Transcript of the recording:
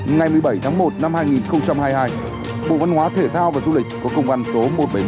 ngày một mươi bảy tháng một năm hai nghìn hai mươi hai bộ văn hóa thể thao và du lịch có công văn số một trăm bảy mươi một